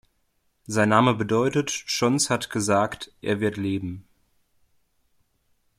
Sein Name bedeutet "Chons hat gesagt: er wird leben".